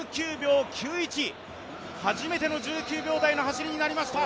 １９秒９１、初めての１９秒台の走りになりました。